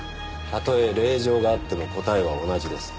たとえ令状があっても答えは同じです。